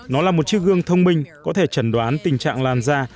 nó là một chiếc gương thông minh có thể chẩn đoán tình trạng lan ra